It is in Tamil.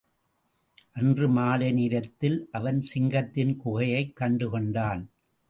அன்று மாலை நேரத்தில் அவன் சிங்கத்தின் குகையைக் கண்டுகொண்டான்.